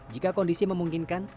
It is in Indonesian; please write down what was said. jika kondisi memungkinkan